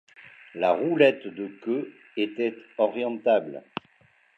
La roulette de queue était orientable.